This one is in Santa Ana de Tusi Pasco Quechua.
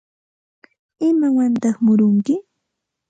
¿Imawantaq murunki?